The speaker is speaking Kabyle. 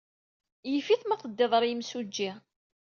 Yif-it ma teddiḍ ɣer yemsujji.